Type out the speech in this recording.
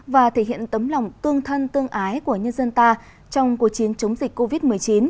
và thể hiện tấm lòng tương thân tương ái của nhân dân ta trong cuộc chiến chống dịch covid một mươi chín